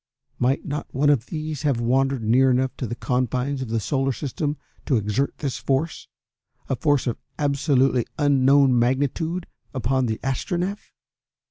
Might not one of these have wandered near enough to the confines of the Solar System to exert this force, a force of absolutely unknown magnitude, upon the Astronef?